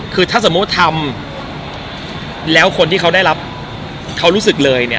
คือถ้าสมมุติทำแล้วคนที่เขาได้รับเขารู้สึกเลยเนี่ย